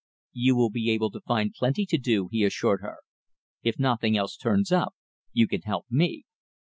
"You will be able to find plenty to do," he assured her. "If nothing else turns up, you can help me."